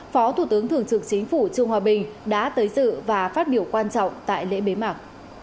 phó thủ tướng thường trực chính phủ trương hòa bình đã tới dự và phát biểu quan trọng tại lễ bế mạc